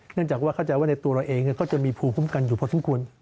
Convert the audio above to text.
เนื่องจากว่าเข้าใจว่าในตัวเราเองก็จะมีภูมิคุ้มกันอยู่พอสมควร